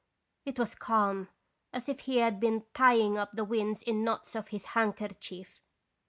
" It was calm as if he had been tying up the winds in knots of his handkerchief.